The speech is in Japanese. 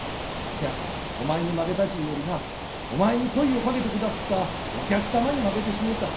いやお前に負けたち言うよりなお前に声をかけてくだすったお客様に負けてしもうた。